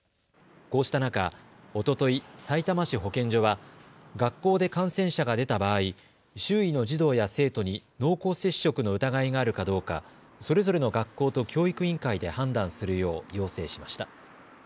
こうした中、おとといさいたま市保健所は学校で感染者が出た場合周囲の児童や生徒に濃厚接触の疑いがあるかどうかそれぞれの学校と教育委員会で判断するよう要請しました。